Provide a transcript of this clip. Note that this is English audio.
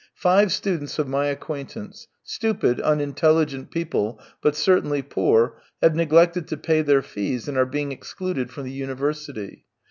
" Five students of my acquaintance, stupid, unintelligent people, but certainly poor, have neglected to pay their fees, and are being excluded from the university.